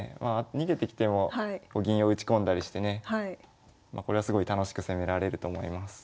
逃げてきても銀を打ち込んだりしてねこれはすごい楽しく攻められると思います。